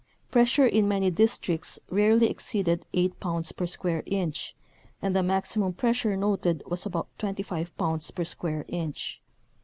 Pres sure in many districts rarely exceeded eight pounds per square inch, and the maximum pressure noted was about 25 pounds per square inch.